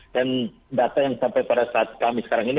dan data yang sampai pada saat kami sekarang ini